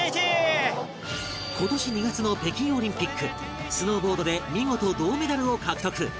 今年２月の北京オリンピックスノーボードで見事銅メダルを獲得